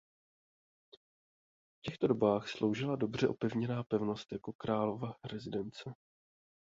V těchto dobách sloužila dobře opevněná pevnost jako králova rezidence.